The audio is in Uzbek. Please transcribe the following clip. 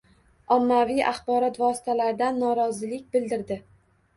Ommaviy axborot vositalaridan norozilik bildirdi: